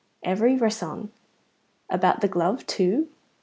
"Every risson." "About the glove, too?"